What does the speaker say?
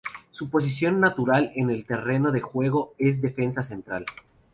Su posición natural en el terreno de juego es defensa central.